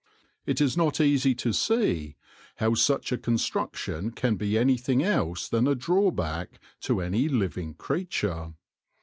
It is not easy to see how such a con struction can be anything else than a drawback to any living creature.